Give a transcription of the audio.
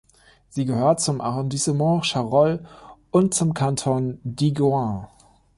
Sie gehört zum Arrondissement Charolles und zum Kanton Digoin.